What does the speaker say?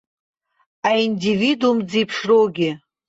Аиндивидуум дзеиԥшроугьы.